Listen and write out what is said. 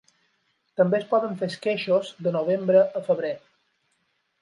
També es poden fer esqueixos de novembre a febrer.